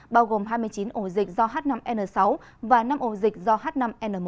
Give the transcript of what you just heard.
bao gồm hai mươi chín ổ dịch do h năm n sáu và năm ổ dịch do h năm n một